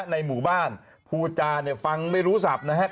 ในหมู่บ้านภูจาเนี่ยฟังไม่รู้สับนะครับ